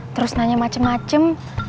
terus nanya macem macem